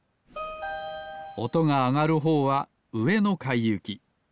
おとがあがるほうはうえのかいゆき。